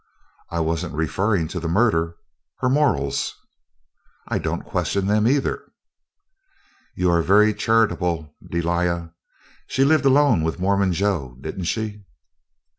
"I wasn't referring to the murder her morals." "I don't question them, either." "You are very charitable, Delia. She lived alone with Mormon Joe, didn't she?"